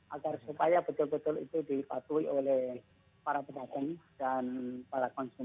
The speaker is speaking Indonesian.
agar supaya betul betul itu dipatuhi oleh para pedagang dan para konsumen